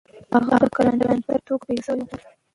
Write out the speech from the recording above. هغه د کلانتر په توګه پېژندل سوی و.